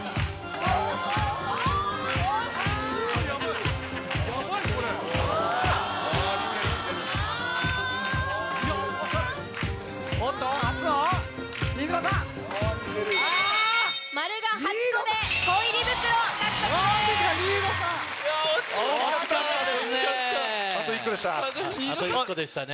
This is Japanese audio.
あと１個でしたね。